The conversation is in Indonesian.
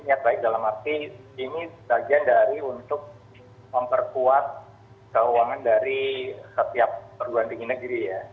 niat baik dalam arti ini bagian dari untuk memperkuat keuangan dari setiap perguruan tinggi negeri ya